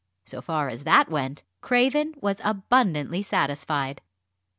So far as that went, Craven was abundantly satisfied.